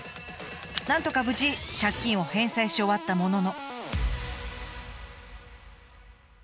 なんとか無事借金を返済し終わったものの。